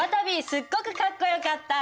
すっごくかっこよかった。